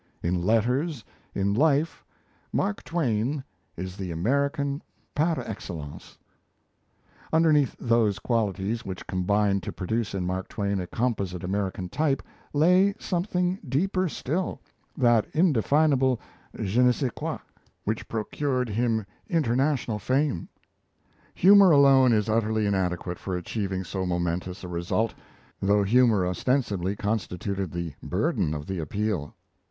In letters, in life, Mark Twain is the American par excellence. Underneath those qualities which combined to produce in Mark Twain a composite American type, lay something deeper still that indefinable je ne sais quoi which procured him international fame. Humour alone is utterly inadequate for achieving so momentous a result though humour ostensibly constituted the burden of the appeal.